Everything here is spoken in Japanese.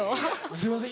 すいません